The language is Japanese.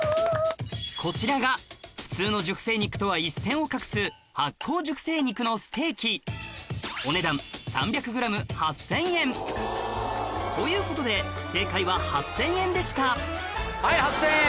こちらが普通の熟成肉とは一線を画す発酵熟成肉のステーキお値段３００ｇということで正解は８０００円でしたはい８０００円。